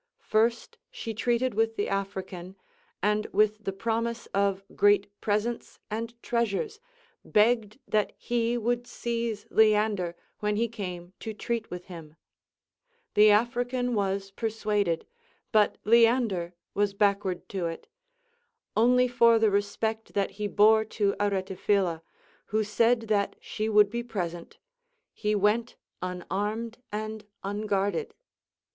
First she treated with the African, and with the promise of great presents and treasures begged that he would seize Leander when he came to treat \vith him. The African Λναβ per CONCERNING THE VIRTUES OF WOMEN. 371 suaded, but Leander Avas backward to it ; only for the re spect that he bore to Aretaphila, who said that she ΛVoιlld be present, he went unarmed and unguarded.